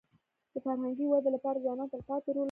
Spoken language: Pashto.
د فرهنګي ودي لپاره ځوانان تلپاتې رول لري.